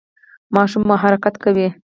ماشوم مو حرکت کوي؟